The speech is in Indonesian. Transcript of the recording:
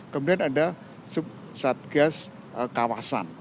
kemudian ada satgas kawasan